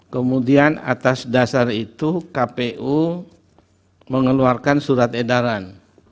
kemudian atas dasar itu kpu mengeluarkan surat edaran